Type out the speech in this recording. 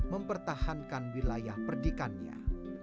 mempertahankan wilayah perdikannya